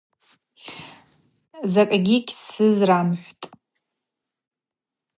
Закӏгьи гьсызрамхӏвтӏ.